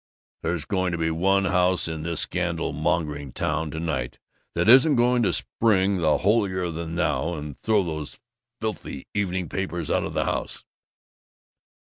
There's going to be one house in this scandal mongering town to night that isn't going to spring the holier than thou. And throw those filthy evening papers out of the house!"